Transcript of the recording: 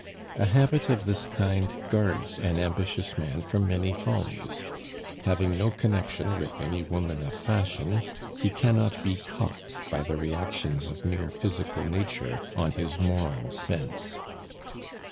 A habit of this kind guards an ambitious man from many follies; having no connection with any woman of fashion, he cannot be caught by the reactions of mere physical nature on his moral sense.